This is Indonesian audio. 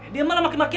dia malah makin makin